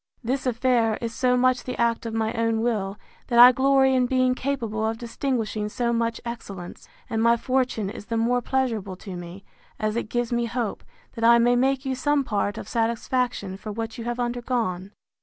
—This affair is so much the act of my own will, that I glory in being capable of distinguishing so much excellence; and my fortune is the more pleasurable to me, as it gives me hope, that I may make you some part of satisfaction for what you have undergone.